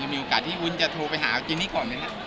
มีโอกาสที่วุ้นจะโทรไปหาจินนี่ก่อนไหมครับ